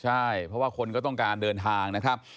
ใช่เพราะว่าคนก็ต้องการเดินทางนะครับ